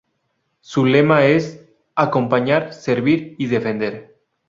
Su lema es "Acompañar, Servir y Defender".